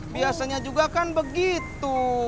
biasanya juga kan begitu